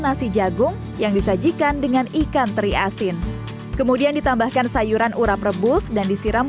nasi jagung yang disajikan dengan ikan teri asin kemudian ditambahkan sayuran urap rebus dan disiram